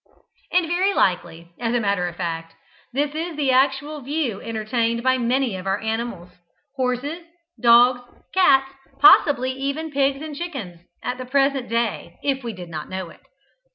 And very likely, as a matter of fact, this is the actual view entertained by many of our animals horses, dogs, cats, possibly even pigs and chickens at the present day, if we did but know it.